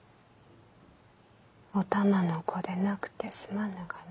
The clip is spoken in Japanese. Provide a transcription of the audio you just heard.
お玉の子でなくてすまぬがな。